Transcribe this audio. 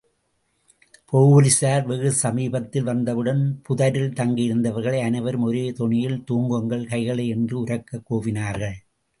போலிஸார் வெகுசமீபத்தில் வந்தவுடன் புதரில் தங்கியிருந்தவர்கள் அனைவரும் ஒரே தொனியில் தூக்குங்கள் கைகளை என்று உரக்கக் கூவினார்கள்.